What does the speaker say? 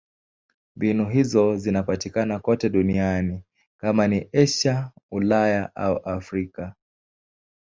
Mbinu hizo zinapatikana kote duniani: kama ni Asia, Ulaya au Afrika.